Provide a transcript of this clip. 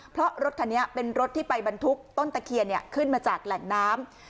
เพราะรถคันนี้เป็นรถที่ไปบรรทุกต้นตะเคียนขึ้นมาจากแหล่งน้ำ